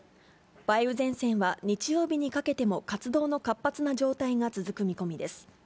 梅雨前線は日曜日にかけても、活動の活発な状態が続く見込みです。